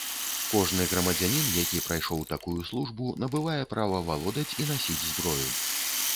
Кожны грамадзянін, які прайшоў такую службу, набывае права валодаць і насіць зброю.